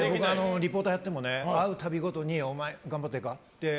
リポーターをやっても会う度ごとにお前、頑張ってるか？